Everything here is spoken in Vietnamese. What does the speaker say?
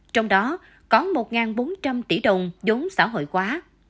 trong đó có một bốn trăm linh tỷ đồng giống xã hội quá